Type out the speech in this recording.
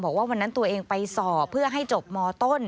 บอกว่าวันนั้นตัวเองไปสอบเพื่อให้จบมต้น